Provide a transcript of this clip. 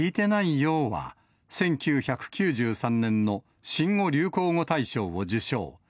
聞いてないよォは１９９３年の新語・流行語大賞を受賞。